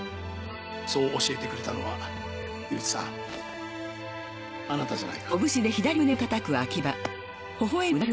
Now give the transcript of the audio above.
そう教えてくれたのは樋口さんあなたじゃないか。